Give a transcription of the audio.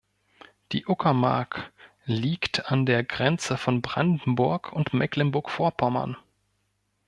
Die Uckermark liegt an der Grenze von Brandenburg und Mecklenburg Vorpommern.